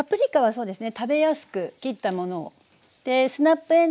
そうですね。